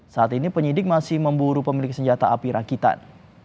saat ini penyidik masih memburu pemilik senjata api rakitan